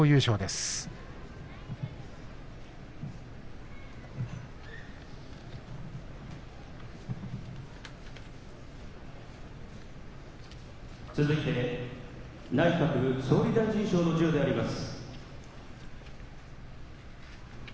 続いて内閣総理大臣賞の授与であります。